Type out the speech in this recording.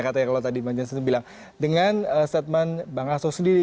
katanya kalau tadi bang jansen bilang dengan statement bang aso sendiri